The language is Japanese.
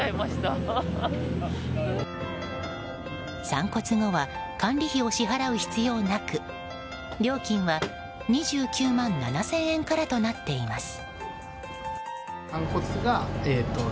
散骨後は管理費を支払う必要はなく料金は２９万７０００円からとなっています。